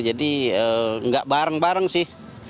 jadi nggak bareng bareng sih